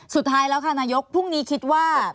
สุดท้ายแล้วค่ะนายกพรุ่งนี้คิดว่า